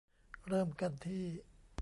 เริ่มกันที่